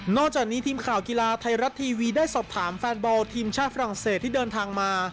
จากนี้ทีมข่าวกีฬาไทยรัฐทีวีได้สอบถามแฟนบอลทีมชาติฝรั่งเศสที่เดินทางมา